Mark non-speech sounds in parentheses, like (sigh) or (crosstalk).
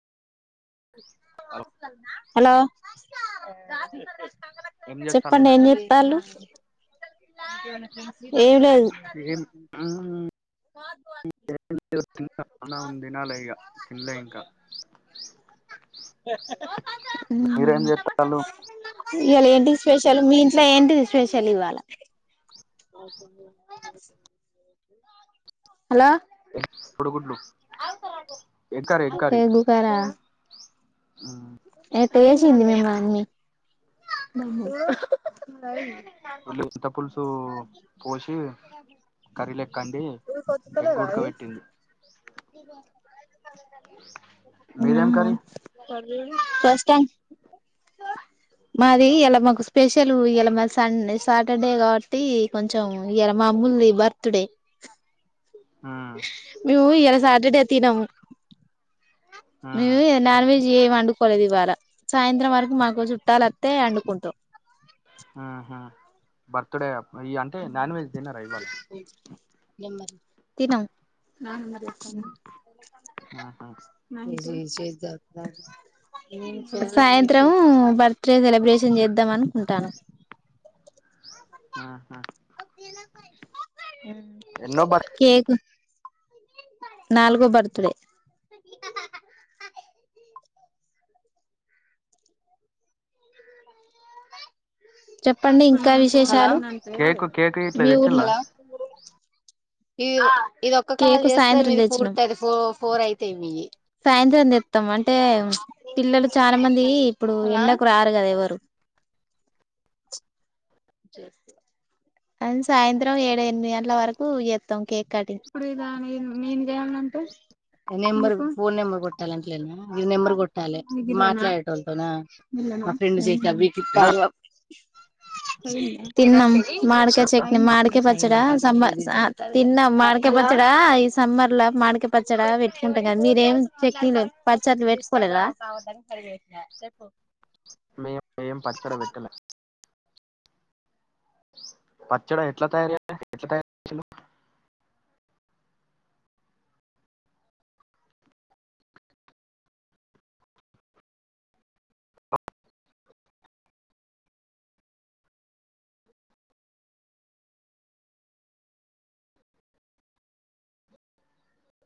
hello hello ఏం చేస్తాళ్ళు చెప్పండి ఏంచేత్తాల్లు ఏమి లేదు ఏం (unintelligible) తినాలే ఇగ తినలే ఇంకా మీరేం చేత్తాల్లు ఇయాళ ఏంటిది స్పెషలు మీ ఇంట్లో ఏంటిది స్పెషల్ ఇవాళ్ళ అ ఎగ్ కోడిగుడ్లు ఎగ్ కర్రీ ఎగ్ కర్రీ ఏ హ్మ్ ఏసింది మే వాన్ని ఫులు చింత పులుసు పోసి కర్రీ లెక్క అండి నీకు ఒత్తుత ఎగ్ లేదా అది ఉడకబెట్టింది మీదేం నన్నా కర్రీ ఫస్ట్ టైం మాది ఇయాల మాకు స్పెషల్ ఇయాల మాది సంద్ సాటర్డే కాబట్టి కొంచెం ఇయాల మా ఉంది బర్త్ డే హ్మ్ మేము ఇయాలా సాటర్డే తినము హ్మ్ మేం నాన్ వెజ్ ఏం వండుకోలేదు ఇవాళ సాయంత్రం వరకు మాకు చుట్టాలొత్తే వండుకుంటాం ఆహా బర్త్ డే ఇగ అంటే నాన్ వెజ్ తినరా ఇవాళ తినం ఆహా చే జ సాయంత్రం బర్త్ డే సెలబ్రేషన్ చేద్దాం అనుకుంటాన్నం ఆహా హ్మ్ ఎన్నో బర్త్ కేకు నాల్గో బర్త్ డే చెప్పండి ఇంకా విశేషాలు కేక్ కేక్ ఇట్లా మీ తెచ్చిల్లా ఊర్లో కేకు సాయంత్రం తెచ్చిన్నాం సాయంత్రం తెప్ ద్దాం అంటే పిల్లలు చాలా మంది ఇప్పుడు ఎండకు రారు కదా ఎవరు రేపు అ సాయంత్రం ఏడు ఎనిమిది గంటల వరకు చేత్తాం కేక్ కటింగ్ ఇప్పుడు (unintelligible) ఉ నెంబర్ ఫోన్ నెంబర్ కొట్టాలి అంట్లేనా ఇది నెంబర్ కొట్టాలి ఇది మాట్లాడేట వాళ్ళతోనా మా ఫ్రెండ్ సెక్కి అవి తిన్నారా ఇప్పిత్తాను చే మాడక చట్నీ మాడిక పచ్చడా సంబస అ తిన్నాం మాడికాయ పచ్చడా ఈ సమ్మర్ లో మాడకయ పచ్చడా పెట్టుకుంటాం కదా మీరేమి చట్నీ లేదు పచ్చర్లు వేట్టుకోలేదా మే మేయం పచ్చడ వెట్టల పచ్చడా ఎట్లా తయార ఎట్లా తయ